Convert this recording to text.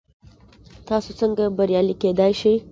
تاسو څنګه بریالي کیدی شئ؟